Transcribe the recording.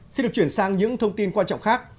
xin được chuyển sang những thông tin quan trọng khác